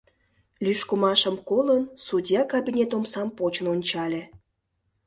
Лӱшкымашым колын, судья кабинет омсам почын ончале.